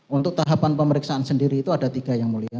untuk tahapan pemeriksaan sendiri itu ada tiga yang mulia